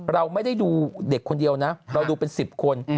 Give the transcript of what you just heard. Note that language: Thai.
เราไม่ได้ดูเด็กคนเดียวนะเราดูเป็น๑๐คน